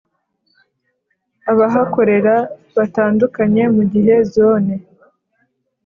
abahakorera batandukanye mu gihe Zone